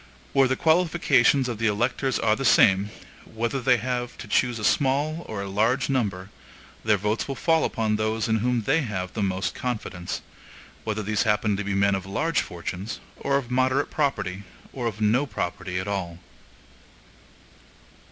Where the qualifications of the electors are the same, whether they have to choose a small or a large number, their votes will fall upon those in whom they have most confidence; whether these happen to be men of large fortunes, or of moderate property, or of no property at all.